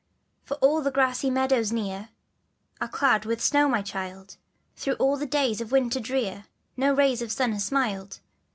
For all the grassy meadows near Are clad with snow, my child; Through all the days of winter drear No ray of sun has smiled.